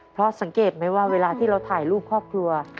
เพราะสังเกตไหมว่าเวลาที่เราถ่ายรูปครอบครัว